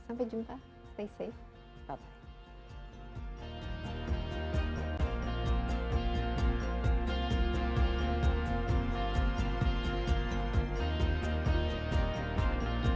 sampai jumpa stay safe bye bye